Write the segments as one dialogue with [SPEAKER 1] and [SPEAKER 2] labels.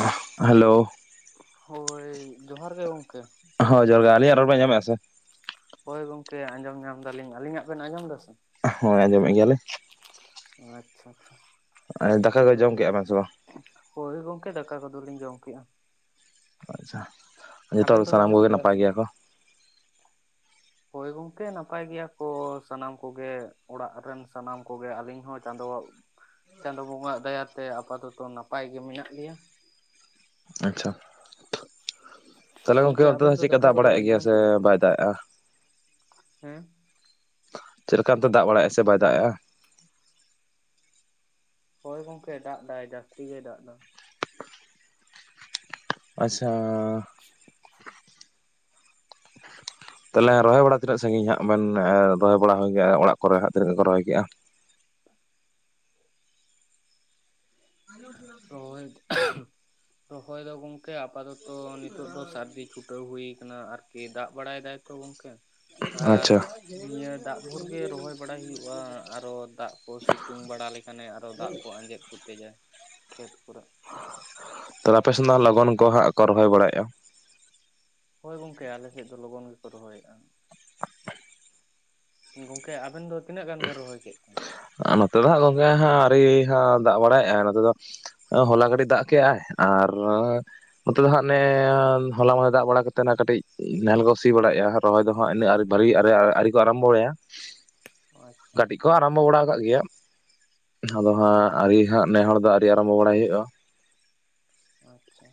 [SPEAKER 1] ᱚᱦ hello.
[SPEAKER 2] ᱦᱳᱭ ᱡᱚᱦᱟᱨ ᱜᱮ ᱜᱚᱢᱠᱮ᱾
[SPEAKER 1] ᱦᱳᱭ ᱡᱚᱦᱟᱨ ᱜᱮ, ᱟᱹᱞᱤᱧᱟᱜ ᱨᱚᱲᱵᱮᱱ ᱟᱸᱡᱚᱢᱮᱜᱼᱟ ᱥᱮ?
[SPEAKER 2] ᱦᱳᱭ ᱜᱚᱝᱠᱮ ᱟᱸᱡᱚᱢ ᱧᱟᱢ ᱫᱟᱞᱤᱧ, ᱟᱞᱤᱧᱟᱜ ᱵᱮᱱ ᱟᱸᱡᱚᱢ ᱫᱟᱥᱮ?
[SPEAKER 1] ᱦᱳᱭ ᱟᱸᱡᱚᱢᱮᱜ ᱜᱮᱭᱟᱞᱮ ᱾
[SPEAKER 2] ᱚ ᱟᱪᱪᱷᱟ ᱟᱪᱪᱷᱟ᱾
[SPEAKER 1] ᱳᱭ ᱫᱟᱠᱟ ᱠᱚ
[SPEAKER 2] ᱛᱚᱵᱮ
[SPEAKER 1] ᱡᱚᱢ ᱠᱮᱜᱼᱟ ᱵᱮᱱ ᱥᱮ ᱵᱟᱝ?
[SPEAKER 2] ᱦᱳᱭ ᱜᱚᱝᱠᱮ ᱰᱟᱠᱟ ᱠᱚᱫᱚᱞᱤᱧ ᱡᱚᱢ ᱠᱮᱜᱼᱟ ᱾
[SPEAKER 1] ᱟᱪᱪᱷᱟ ᱡᱷᱚᱛᱚ ᱦᱚᱲ
[SPEAKER 2] ᱟᱵᱮᱱ
[SPEAKER 1] ᱜᱮ
[SPEAKER 2] ᱫᱚᱵᱮᱱ
[SPEAKER 1] ᱥᱟᱱᱟᱢ
[SPEAKER 2] ᱡᱚᱢ
[SPEAKER 1] ᱠᱚᱜᱮ
[SPEAKER 2] ᱠᱮᱜᱼᱟ
[SPEAKER 1] ᱱᱟᱯᱟᱭ
[SPEAKER 2] ᱥᱮ ᱵᱟᱝ
[SPEAKER 1] ᱜᱮᱭᱟ ᱠᱚ?
[SPEAKER 2] ᱦᱳᱭ ᱜᱚᱢᱠᱮ ᱱᱟᱯᱟᱭ ᱜᱮᱭᱟ ᱠᱚ ᱥᱟᱱᱟᱢ ᱠᱚᱜᱮ ᱚᱲᱟᱜ ᱨᱮᱱ ᱥᱟᱱᱟᱢ ᱠᱚᱜᱮ ᱟᱹᱞᱤᱧ ᱦᱚᱸ ᱪᱟᱸᱫᱳ ᱪᱟᱸᱫᱳ ᱵᱚᱸᱜᱭᱟᱜ ᱫᱟᱭᱟᱛᱮ ᱟᱯᱟᱛᱚᱛᱚ ᱱᱟᱯᱟᱭ ᱜᱮ ᱢᱮᱱᱟᱜ ᱞᱮᱭᱟ ᱾
[SPEAKER 1] ᱟᱪᱪᱷᱟ᱾ ᱛᱟᱦᱞᱮ ᱜᱚᱝᱠᱮ ᱚᱱᱛᱮ ᱫᱚ
[SPEAKER 2] ᱟᱵᱮᱱ
[SPEAKER 1] ᱦᱟᱸ ᱪᱮᱫᱠᱟ
[SPEAKER 2] ᱫᱟᱠᱟ
[SPEAKER 1] ᱫᱟᱜ
[SPEAKER 2] ᱠᱚᱫᱚ
[SPEAKER 1] ᱵᱟᱲᱟᱭᱮᱫ
[SPEAKER 2] ᱵᱮᱱ
[SPEAKER 1] ᱜᱮᱭᱟ
[SPEAKER 2] ᱡᱚᱢ
[SPEAKER 1] ᱥᱮ
[SPEAKER 2] ᱠᱮᱜᱼᱟ
[SPEAKER 1] ᱵᱟᱭ
[SPEAKER 2] ᱵᱟᱝ
[SPEAKER 1] ᱫᱟᱜ ᱮᱜᱼᱟ?
[SPEAKER 2] ᱦᱮᱸ
[SPEAKER 1] ᱪᱮᱫ ᱞᱮᱠᱟ ᱚᱱᱛᱮ ᱫᱚ ᱫᱟᱜ ᱵᱟᱲᱟᱭᱼᱟ ᱥᱮ ᱵᱟᱭ ᱫᱟᱜ ᱮᱜᱼᱟ?
[SPEAKER 2] ᱦᱳᱭ ᱜᱚᱢᱠᱮ ᱰᱟᱜ ᱫᱟᱭ ᱡᱟᱹᱥᱛᱤ ᱜᱮ ᱰᱟᱜ ᱫᱟ᱾
[SPEAKER 1] ᱟᱪᱪᱷᱟ
[SPEAKER 2] [inaudible]
[SPEAKER 1] ᱛᱟᱦᱚᱞᱮ ᱨᱚᱦᱚᱭ ᱵᱟᱲᱟ ᱛᱤᱱᱟᱹᱜ ᱥᱟᱺᱜᱤᱧ ᱦᱟᱸᱜ ᱵᱮᱱ ᱨᱚᱦᱚᱭ ᱵᱟᱲᱟ ᱦᱩᱭ ᱠᱟ ᱚᱲᱟᱜ ᱠᱚᱨᱮ ᱛᱤᱱᱟᱹᱜ ᱜᱮ ᱠᱚ ᱨᱚᱦᱚᱭ ᱠᱮᱫᱼᱟ?
[SPEAKER 2] ᱨᱚᱦᱚᱭ ᱨᱚᱦᱚᱭ ᱫᱚ ᱜᱚᱝᱠᱮ ᱟᱯᱟᱛᱚᱛᱚ ᱱᱤᱛᱚᱜ ᱫᱚ ᱥᱟᱹᱨᱫᱤ ᱪᱷᱩᱴᱟᱹᱣ ᱦᱩᱭ ᱠᱟᱱᱟ, ᱟᱨ ᱠᱤ ᱫᱟᱜ ᱵᱟᱲᱟᱭ ᱫᱟᱭ ᱛᱚ ᱜᱚᱝᱠᱮ, ᱟᱨ
[SPEAKER 1] ᱟᱪᱪᱷᱟ
[SPEAKER 2] ᱱᱤᱭᱟᱹ ᱫᱟᱜ ᱵᱷᱳᱨ ᱜᱮ ᱨᱚᱦᱚᱭ ᱵᱟᱲᱟᱭ ᱦᱩᱭᱩᱜᱼᱟ, ᱟᱨᱚ ᱫᱟᱜ ᱠᱚ ᱥᱤᱛᱩᱝ ᱵᱟᱲᱟ ᱞᱮᱠᱷᱟᱱᱮ ᱟᱨᱚ ᱫᱟᱜ ᱠᱚ ᱟᱸᱡᱮᱫ ᱠᱚᱛᱮ ᱡᱟ ᱠᱷᱮᱛ ᱠᱚᱨᱮᱜ,
[SPEAKER 1] ᱛᱚᱵᱮ ᱟᱯᱮ ᱥᱮ ᱞᱚᱜᱚᱱ ᱠᱚ ᱦᱟᱸᱜ ᱠᱚ ᱨᱚᱦᱚᱭ ᱵᱟᱲᱟᱭᱮᱜᱼᱟ?
[SPEAKER 2] ᱦᱳᱭ ᱜᱚᱝᱠᱮ ᱟᱞᱮᱥᱮᱫ ᱫᱚ ᱞᱚᱜᱚᱱ ᱜᱮᱠᱚ ᱨᱚᱦᱚᱭᱮᱜᱼᱟ ᱾ ᱜᱚᱝᱠᱮ ᱟᱵᱮᱱ ᱫᱚ ᱛᱤᱱᱟᱹᱜ ᱜᱟᱱ ᱵᱮᱱ ᱨᱚᱦᱚᱭ ᱠᱮᱫ ᱛᱮ?
[SPEAKER 1] ᱟ ᱱᱚᱛᱮ ᱫᱚ ᱦᱟᱸᱜ ᱜᱚᱢᱠᱮ ᱦᱟᱸᱜ ᱟᱹᱣᱨᱤ ᱦᱟᱸᱜ ᱫᱟᱜ ᱵᱟᱲᱟᱭᱮᱜᱼᱟ, ᱱᱚᱛᱮ ᱫᱚ ᱚ ᱦᱚᱞᱟ ᱠᱟᱹᱴᱤᱡ ᱫᱟᱜ ᱠᱮᱜᱼᱟᱭ ᱟᱨ ᱱᱚᱛᱮ ᱫᱚ ᱦᱟᱸᱜ ᱱᱮ ᱦᱚᱞᱟ ᱢᱟᱫᱷᱮᱨ ᱫᱟᱜ ᱵᱟᱲᱟ ᱠᱟᱛᱮ ᱱᱟ ᱠᱟᱹᱴᱤᱡ ᱱᱟᱦᱮᱞ ᱠᱚ ᱥᱤ ᱵᱟᱲᱟᱭᱮᱜᱼᱟ ᱾ ᱨᱚᱦᱚᱭ ᱫᱚ ᱦᱟᱸᱜ ᱤᱱᱟᱹᱜ ᱵᱟᱨᱤ ᱟᱹᱣᱨᱤ ᱠᱚ ᱟᱨᱟᱢᱵᱚᱭᱟ,
[SPEAKER 2] ᱚ ᱟᱪᱪᱷᱟ᱾
[SPEAKER 1] ᱠᱟᱹᱴᱤᱡ ᱠᱚ ᱟᱨᱟᱢᱵᱚ ᱵᱟᱲᱟ ᱠᱟᱜ ᱜᱮᱭᱟ,
[SPEAKER 2] ᱚ
[SPEAKER 1] ᱟᱫᱚ
[SPEAKER 2] ᱟᱪᱪᱷᱟ
[SPEAKER 1] ᱦᱟᱸᱜ ᱟᱹᱣᱨᱤ ᱦᱟᱸᱜ ᱱᱮ ᱦᱚᱲ ᱫᱚ ᱟᱹᱣᱨᱤ ᱟᱨᱟᱢᱵᱚ ᱵᱟᱲᱟᱭ ᱦᱩᱭᱩᱜᱼᱟ ᱾
[SPEAKER 2] ᱟᱪᱪᱷᱟ᱾